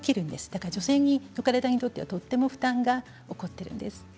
だから女性の体にとってはとっても負担が起こっているんです。